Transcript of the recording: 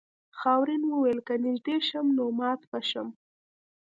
خاورین وویل که نږدې شم نو مات به شم.